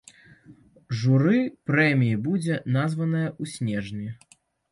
Журы прэміі будзе названае ў снежні.